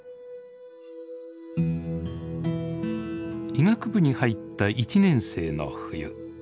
医学部に入った１年生の冬。